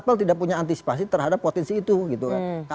level tidak punya antisipasi terhadap potensi itu gitu kan